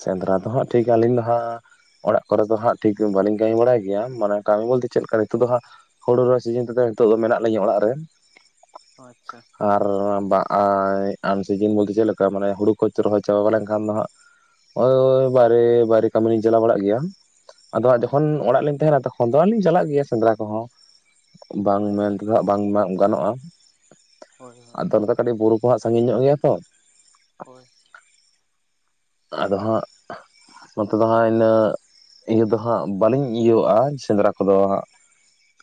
[SPEAKER 1] ᱥᱮᱸᱫᱽᱨᱟ ᱫᱚ ᱦᱟᱸᱜ ᱴᱷᱤᱠ ᱟᱹᱞᱤᱧ ᱫᱚ ᱦᱟᱸᱜᱼᱼ ᱚᱲᱟᱜ ᱠᱚᱨᱮ ᱫᱚ ᱦᱟᱸ ᱴᱷᱤᱠ ᱵᱟᱹᱞᱤᱧ ᱠᱟᱹᱢᱤ ᱵᱟᱲᱟᱭ ᱜᱮᱭᱟ, ᱢᱟᱱᱮ ᱠᱟᱹᱢᱤ ᱵᱚᱞᱛᱮ ᱪᱮᱫ ᱞᱮᱠᱟ ᱱᱤᱛᱚᱜ ᱫᱚ ᱦᱟᱸᱜᱼᱼ ᱦᱳᱲᱳ ᱨᱚᱦᱚᱭ ᱥᱤᱡᱤᱱ ᱛᱮᱫᱚ ᱱᱤᱛᱚᱜ ᱫᱚ ᱢᱮᱱᱟᱜ ᱞᱤᱧᱟᱹ ᱚᱲᱟᱜ ᱨᱮᱭᱟᱜ
[SPEAKER 2] ᱚᱸ ᱟᱪᱪᱷᱟ
[SPEAKER 1] [unintelligible] ᱥᱤᱡᱤᱱ ᱵᱚᱞᱛᱮ ᱪᱮᱫ ᱞᱮᱠᱟ ᱢᱟᱱᱮ ᱦᱩᱲᱩ ᱠᱚ ᱨᱚᱦᱚᱭ ᱪᱟᱵᱟ ᱞᱮᱱᱠᱷᱟᱱ ᱫᱚ ᱦᱟᱸᱜᱼᱼ ᱚ ᱵᱟᱨᱮ ᱵᱟᱭᱨᱮ ᱠᱟᱹᱢᱤ ᱞᱤᱧ ᱪᱟᱞᱟᱣ ᱵᱟᱲᱟᱜ ᱜᱮᱭᱟ, ᱟᱫᱚ
[SPEAKER 2] ᱚ
[SPEAKER 1] ᱦᱟᱜ ᱡᱚᱠᱷᱚᱱ
[SPEAKER 2] ᱟᱪᱪᱷᱟ
[SPEAKER 1] ᱚᱲᱟᱜ ᱞᱤᱧ ᱛᱟᱦᱮᱱᱟ ᱛᱚᱼᱼ [unintelligible] ᱞᱤᱧ ᱪᱟᱞᱟᱜ ᱜᱮᱭᱟ ᱥᱮᱸᱫᱽᱨᱟ ᱠᱚᱦᱚᱸ,
[SPEAKER 2] ᱚ
[SPEAKER 1] ᱵᱟᱝ
[SPEAKER 2] ᱟᱪᱪᱷᱟ
[SPEAKER 1] ᱢᱮᱱ ᱛᱮᱫᱚ ᱦᱟᱜ ᱵᱟᱝ ᱜᱟᱱᱚᱜᱼᱟ
[SPEAKER 2] ᱦᱳᱭ
[SPEAKER 1] ᱟᱫᱚ ᱚᱱᱟ ᱠᱟᱹᱴᱤᱡ ᱵᱩᱨᱩ ᱠᱚ ᱦᱟᱸᱜ ᱥᱟᱺᱜᱤᱧ ᱧᱚᱜ ᱜᱮᱭᱟ ᱛᱚ᱾
[SPEAKER 2] ᱦᱳᱭ
[SPEAKER 1] ᱟᱫᱚ ᱦᱟᱸᱜ ᱱᱚᱛᱮ ᱫᱚ ᱦᱟᱸᱜ ᱤᱱᱟᱜ ᱤᱭᱟᱹ ᱫᱚ ᱦᱟᱸᱜ ᱵᱟᱹᱞᱤᱧ ᱤᱭᱟᱹᱼᱟ ᱥᱮᱸᱫᱽᱨᱟ ᱠᱚᱫᱚ ᱦᱟᱸᱜ᱾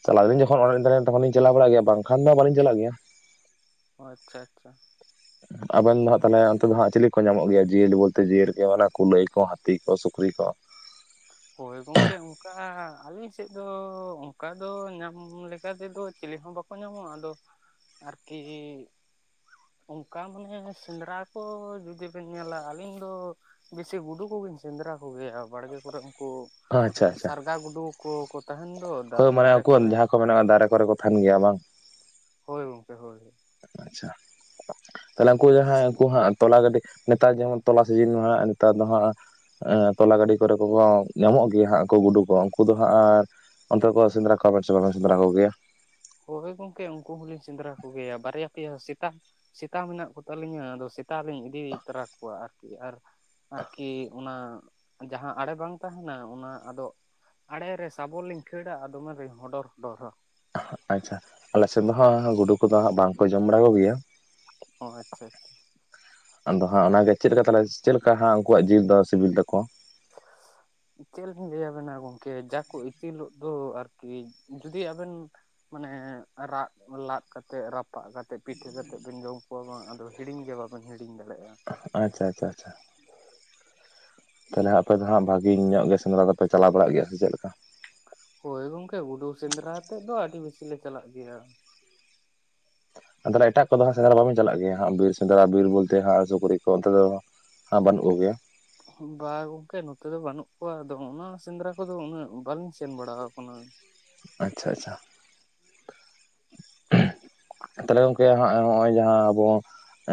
[SPEAKER 1] ᱪᱟᱞᱟᱜ ᱟᱞᱤᱧ ᱡᱚᱠᱷᱚᱱ ᱚᱲᱟᱜ ᱤᱧ ᱛᱟᱦᱮᱱᱟ ᱛᱚᱠᱷᱚᱱ ᱞᱤᱧ ᱪᱟᱞᱟᱣ ᱵᱟᱲᱟᱜ ᱜᱮᱭᱟ ᱵᱟᱝᱠᱷᱟᱱ ᱫᱚ ᱵᱟᱞᱤᱧ ᱪᱟᱞᱟᱜ ᱜᱮᱭᱟ᱾
[SPEAKER 2] ᱚ ᱟᱪᱪᱷᱟ ᱟᱪᱪᱷᱟ᱾ [inaudible]
[SPEAKER 1] ᱟᱵᱮᱱ ᱫᱚ ᱦᱟᱸᱜ ᱛᱟᱦᱚᱞᱮ ᱚᱱᱛᱮ ᱫᱚ ᱦᱟᱸᱜ ᱪᱤᱞᱤ ᱠᱚ ᱧᱟᱢᱚᱜ ᱜᱮᱭᱟ, ᱡᱤᱭᱟᱹᱞᱤ ᱵᱚᱞᱛᱮ ᱡᱤᱭᱟᱹᱨ ᱠᱚ ᱚᱱᱟ ᱠᱩᱞᱟᱹᱭ ᱠᱚ ᱦᱟᱹᱛᱤ ᱠᱚ ᱥᱩᱠᱨᱤ ᱠᱚ?
[SPEAKER 2] ᱦᱳᱭ ᱜᱚᱝᱠᱮ ᱚᱝᱠᱟ ᱟᱞᱤᱧ ᱥᱮᱫ ᱫᱚ ᱚᱝᱠᱟ ᱫᱚ ᱧᱟᱢ ᱞᱮᱠᱟᱛᱮ ᱫᱚ ᱪᱤᱞᱤ ᱦᱚᱸ ᱵᱟᱠᱚ ᱧᱟᱢᱚᱜᱼᱟ᱾ ᱟᱫᱚ ᱟᱨᱠᱤ ᱚᱝᱠᱟ ᱢᱟᱱᱮ ᱥᱮᱸᱫᱽᱨᱟ ᱠᱚ ᱡᱩᱫᱤ ᱵᱮᱱ ᱧᱮᱞᱟ ᱟᱹᱞᱤᱧ ᱫᱚᱻ ᱵᱮᱥᱤ ᱜᱩᱰᱩ ᱠᱚᱜᱮᱧ ᱥᱮᱸᱫᱽᱨᱟ ᱠᱚᱜᱮᱭᱟ ᱵᱟᱲᱜᱮ ᱠᱚᱨᱮ ᱩᱱᱠᱩ
[SPEAKER 1] ᱟᱪᱪᱷᱟ ᱟᱪᱪᱷᱟ
[SPEAKER 2] ᱥᱟᱨᱜᱟ ᱜᱩᱰᱩ ᱠᱚ ᱠᱚ ᱛᱟᱦᱮᱱ ᱫᱚ
[SPEAKER 1] ᱦᱳᱭ
[SPEAKER 2] ᱫᱟ-
[SPEAKER 1] ᱢᱟᱱᱮ
[SPEAKER 2] ᱫᱟᱨᱮ
[SPEAKER 1] ᱩᱱᱠᱩ
[SPEAKER 2] ᱠᱚᱨᱮ,
[SPEAKER 1] ᱡᱟᱦᱟᱸ ᱠᱚ ᱢᱮᱱᱟᱜᱼᱟ ᱫᱟᱨᱮ ᱠᱚᱨᱮ ᱠᱚ ᱛᱟᱦᱮᱸᱱ ᱜᱮᱭᱟ ᱵᱟᱝ
[SPEAKER 2] ᱦᱳᱭ ᱜᱚᱝᱠᱮ ᱦᱳᱭ᱾
[SPEAKER 1] ᱟᱪᱪᱷᱟ, ᱛᱟᱦᱞᱮ ᱩᱱᱠᱩ ᱡᱟᱦᱟᱸᱭ ᱩᱱᱠᱩ ᱦᱟᱸᱜ ᱛᱚᱞᱟ ᱜᱟᱹᱰᱤ ᱱᱮᱛᱟᱨ ᱡᱮᱢᱚᱱ ᱛᱚᱞᱟ ᱥᱤᱡᱤᱱ ᱢᱟ ᱦᱟᱸᱜ ᱱᱮᱛᱟᱨ ᱫᱚ ᱦᱟᱸᱜ ᱟᱸ ᱛᱚᱞᱟ ᱜᱟᱹᱰᱤ ᱠᱚᱨᱮ ᱠᱚ ᱠᱚ ᱧᱟᱢᱚᱜ ᱜᱮᱭᱟ ᱦᱟᱸᱜ ᱠᱚ ᱜᱩᱰᱩ ᱠᱚ ᱩᱱᱠᱩ ᱫᱚ ᱦᱟᱸᱜ ᱟᱨ ᱚᱱᱛᱮ ᱠᱚ ᱥᱤᱸᱫᱽᱨᱟ ᱠᱚ ᱵᱟᱪᱚ ᱵᱟᱠᱚ ᱥᱤᱸᱫᱽᱨᱟ ᱠᱚ ᱜᱮᱭᱟ?
[SPEAKER 2] ᱦᱳᱭ ᱜᱚᱝᱠᱮ ᱩᱱᱠᱩ ᱦᱚᱸᱞᱤᱧ ᱥᱮᱸᱫᱽᱨᱟ ᱠᱚᱜᱮᱭᱟ ᱵᱟᱨᱭᱟ ᱯᱮᱭᱟ ᱥᱮᱛᱟ ᱥᱮᱛᱟ ᱢᱮᱱᱟᱜ ᱠᱚᱛᱟᱞᱤᱧᱟ ᱟᱫᱚ ᱥᱮᱛᱟ ᱞᱤᱧ ᱤᱫᱤ ᱛᱚᱨᱟ ᱠᱚᱣᱟ ᱟᱨᱠᱤ ᱟᱨ ᱟᱨᱠᱤ ᱚᱱᱟ ᱡᱟᱦᱟᱸ ᱟᱲᱮ ᱵᱟᱝ ᱛᱟᱦᱮᱱᱟ ᱚᱱᱟ ᱟᱫᱚᱜ ᱟᱲᱮ ᱨᱮ ᱥᱟᱵᱚᱞ ᱞᱤᱧ ᱠᱷᱟᱹᱲᱟ ᱟᱨ ᱫᱚᱢᱮ ᱜᱮᱧ ᱦᱚᱰᱚᱨ ᱦᱚᱰᱚᱨᱟ᱾
[SPEAKER 1] ᱟᱪᱪᱷᱟ ᱟᱞᱮ ᱥᱮᱫ ᱫᱚ ᱦᱟᱸᱜ ᱜᱩᱰᱩ ᱠᱚᱫᱚ ᱦᱟᱸᱜ ᱵᱟᱝᱠᱚ ᱡᱚᱢ ᱵᱟᱲᱟ ᱠᱚᱜᱮᱭᱟ᱾
[SPEAKER 2] ᱚ ᱟᱪᱪᱷᱟ ᱟᱪᱪᱷᱟ᱾
[SPEAKER 1] ᱟᱫᱚ ᱦᱟᱸᱜ ᱚᱱᱟᱜᱮ ᱪᱮᱜ ᱞᱮᱠᱟ ᱛᱟᱞᱮ ᱪᱮᱜ ᱞᱮᱠᱟ ᱦᱟᱸᱜ ᱩᱱᱠᱩᱣᱟᱜ ᱡᱤᱞ ᱫᱚ ᱥᱤᱵᱤᱞ ᱛᱟᱠᱚᱭᱟ?
[SPEAKER 2] [inaudible] ᱪᱮᱜ ᱞᱤᱧ ᱞᱟᱹᱭ ᱟᱵᱮᱱᱟ ᱜᱚᱝᱠᱮ ᱡᱟ ᱠᱚ ᱤᱛᱤᱞᱚᱜ ᱫᱚ ᱟᱨᱠᱤ ᱡᱩᱫᱤ ᱟᱵᱮᱱ ᱢᱟᱱᱮᱻᱨᱟᱜ ᱞᱟᱫ ᱠᱟᱛᱮᱜ ᱨᱟᱯᱟᱜ ᱠᱟ ᱛᱮᱜ ᱯᱤᱴᱷᱟᱹ ᱠᱟᱛᱮᱜ ᱵᱮᱱ ᱡᱚᱢ ᱠᱚᱣᱟ ᱵᱟᱝ ᱟᱫᱚ ᱦᱤᱲᱤᱧ ᱜᱮ ᱵᱟᱵᱮᱱ ᱦᱤᱲᱤᱧ ᱫᱟᱲᱮᱭᱟᱜᱼᱟ᱾
[SPEAKER 1] ᱟᱪᱪᱷᱟ ᱟᱪᱪᱷᱟ ᱟᱪᱪᱷᱟ, ᱛᱟᱦᱚᱞᱮ ᱟᱯᱮ ᱫᱚ ᱦᱟᱸᱜ ᱵᱷᱟᱜᱤ ᱧᱚᱜ ᱜᱮ ᱥᱮᱸᱫᱽᱨᱟ ᱫᱚᱯᱮ ᱪᱟᱞᱟᱣ ᱵᱟᱲᱟᱜ ᱜᱮᱭᱟ ᱥᱮ ᱪᱮᱜ ᱞᱮᱠᱟ?
[SPEAKER 2] ᱦᱳᱭ ᱜᱚᱝᱠᱮ ᱜᱩᱰᱩ ᱥᱮᱸᱫᱽᱨᱟ ᱟᱛᱮᱫ ᱫᱚ ᱟᱹᱰᱤ ᱵᱮᱥᱤ ᱞᱮ ᱪᱟᱞᱟᱜ ᱜᱮᱭᱟ᱾
[SPEAKER 1] ᱟᱫᱚ ᱱᱟᱜ ᱮᱴᱟᱜ ᱠᱚᱫᱚ ᱥᱮᱸᱫᱽᱲᱟ ᱵᱟᱝ ᱵᱮᱱ ᱥᱮᱱᱚᱜ ᱜᱮᱭᱟ ᱦᱟᱸᱜ ᱵᱤᱨ ᱥᱮᱸᱫᱽᱲᱟ ᱵᱤᱨ ᱵᱚᱞᱛᱮ ᱦᱟᱸᱜ ᱥᱩᱠᱲᱤ ᱠᱚ ᱚᱱᱛᱮ ᱫᱚ᱾ ᱟ ᱵᱟᱹᱱᱩᱜ ᱠᱚ ᱜᱮᱭᱟ᱾
[SPEAKER 2] ᱵᱟ ᱜᱚᱝᱠᱮ ᱱᱚᱛᱮ ᱫᱚ ᱵᱟᱹᱱᱩᱜ ᱠᱚᱣᱟ ᱟᱫᱚ ᱚᱱᱟ ᱥᱮᱸᱫᱽᱲᱟ ᱠᱚᱫᱚ ᱩᱱᱟᱹᱜ ᱵᱟᱝᱞᱤᱧ ᱥᱮᱱ ᱵᱟᱲᱟᱣ ᱠᱟᱱᱟ᱾
[SPEAKER 1] ᱟᱪᱷᱟ ᱟᱪᱪᱷᱟ,
[SPEAKER 2] [inaudible]
[SPEAKER 1] ᱛᱟᱦᱞᱮ ᱜᱚᱝᱠᱮ ᱦᱟᱸᱜ ᱚᱜᱼᱚᱭ ᱡᱟᱦᱟᱸ ᱟᱵᱚ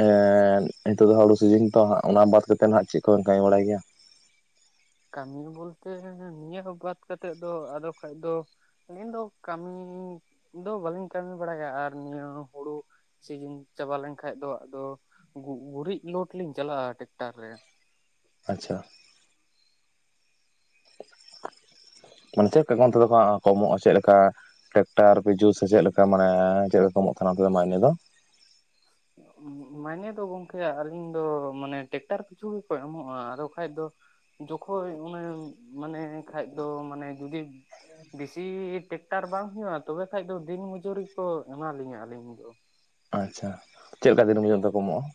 [SPEAKER 1] ᱮᱸ ᱱᱤᱛᱳᱜ ᱫᱚᱦᱟᱸᱜ ᱦᱩᱲᱩ ᱥᱤᱡᱮᱱ ᱛᱚ ᱦᱟᱸᱜ ᱚᱱᱟ ᱵᱟᱫ ᱠᱟᱛᱮᱜ ᱱᱟᱦᱟᱸᱜ ᱪᱮᱜ ᱠᱚ ᱵᱮᱱ ᱠᱟᱹᱢᱤ ᱵᱟᱲᱟᱭ ᱜᱮᱭᱟ?
[SPEAKER 2] ᱠᱟᱹᱢᱤ ᱵᱚᱞᱛᱮ ᱱᱤᱭᱟᱹ ᱦᱚᱸ ᱵᱟᱫ ᱠᱟᱛᱮᱜ ᱫᱚ ᱟᱫᱚ ᱠᱷᱟᱭ ᱫᱚ ᱟᱞᱤᱧ ᱫᱚ ᱠᱟᱹᱢᱤ ᱫᱚ ᱵᱟᱞᱤᱧ ᱠᱟᱹᱢᱤ ᱵᱟᱲᱟᱭᱟ ᱟᱨ ᱱᱤᱭᱟᱹ ᱦᱩᱲᱩ ᱥᱮᱡᱮᱱ ᱪᱟᱵᱟ ᱞᱮᱱᱠᱷᱟᱭ ᱫᱚ ᱟᱫᱚ ᱜᱩᱨᱤᱡ ᱞᱳᱰᱷ ᱞᱤᱧ ᱪᱟᱞᱟᱜᱼᱟ ᱴᱮᱠᱴᱟᱨ ᱨᱮ᱾
[SPEAKER 1] ᱟᱪᱪᱷᱟ,
[SPEAKER 2] [inaudible]
[SPEAKER 1] ᱚᱱᱛᱮ ᱠᱮᱜᱚᱱ ᱛᱮᱫᱚ ᱠᱚ ᱠᱚᱢᱚᱜᱼᱟ ᱪᱮᱜ ᱞᱮᱠᱟ ᱴᱮᱠᱴᱟᱨ ᱯᱤᱡᱩ ᱥᱮ ᱪᱮᱜ ᱞᱮᱠᱟ ᱢᱟᱱᱮ ᱪᱮᱜ ᱞᱮᱠᱟ ᱮᱢᱚᱜ ᱠᱟᱱᱟ ᱚᱱᱛᱮ ᱫᱚ ᱢᱟᱭᱱᱮ ᱫᱚ?
[SPEAKER 2] [inaudible] ᱢᱟᱭᱱᱮ ᱫᱚ ᱜᱚᱝᱠᱮ ᱟᱞᱤᱧ ᱫᱚ ᱢᱟᱱᱮ ᱴᱮᱠᱴᱟᱨ ᱯᱤᱪᱷᱩ ᱜᱮᱠᱚ ᱮᱢᱚᱜᱼᱟ ᱟᱫᱚ ᱠᱷᱟᱭ ᱫᱚ ᱡᱚᱠᱷᱚᱭ ᱚᱱᱮ ᱢᱟᱱᱮ ᱠᱷᱟᱭᱫᱚ ᱢᱟᱱᱮ ᱡᱩᱫᱤ, ᱵᱮᱥᱤ ᱴᱮᱠᱴᱟᱨ ᱵᱟᱝ ᱦᱩᱭᱩᱜᱼᱟ ᱛᱚᱵᱮ ᱠᱷᱟᱭ ᱫᱚ ᱫᱤᱱ ᱢᱩᱡᱩᱨᱤ ᱠᱚ ᱮᱢᱟᱞᱤᱧᱟ ᱟᱹᱞᱤᱧ ᱫᱚ᱾
[SPEAKER 1] ᱟᱪᱪᱷᱟ ᱪᱮᱫ ᱞᱮᱠᱟ ᱫᱤᱱᱟᱹᱢ ᱦᱤᱞᱚᱜ ᱫᱚ ᱠᱚ ᱮᱢᱚᱜᱼᱟ᱾